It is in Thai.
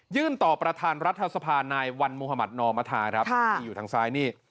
ต่อประธานรัฐสภานายวันมุธมัธนอมธาครับที่อยู่ทางซ้ายนี่